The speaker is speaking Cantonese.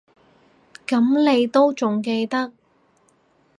噉你都仲記得